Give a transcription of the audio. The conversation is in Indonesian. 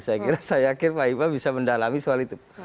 saya kira saya yakin pak iqbal bisa mendalami soal itu